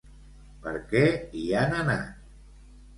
Per què hi han anat?